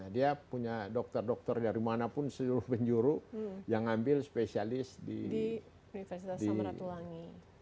dia punya dokter dokter dari mana pun seluruh penjuru yang ambil spesialis di universitas samratulangi